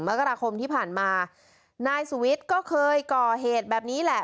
มกราคมที่ผ่านมานายสุวิทย์ก็เคยก่อเหตุแบบนี้แหละ